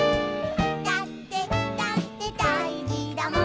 「だってだってだいじだもん」